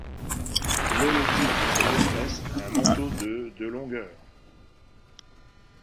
L'holotype de cette espèce a un manteau de de longueur.